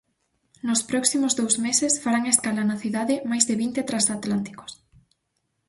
Nos próximos dous meses farán escala na cidade máis de vinte transatlánticos.